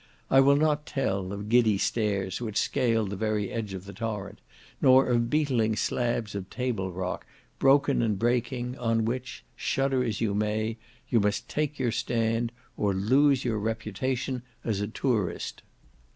I will not tell of giddy stairs which scale the very edge of the torrent, nor of beetling slabs of table rock, broken and breaking, on which, shudder as you may, you must take your stand or lose your reputation as a tourist.